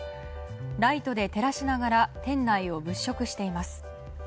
ライトで照らしながら店内を物色しています。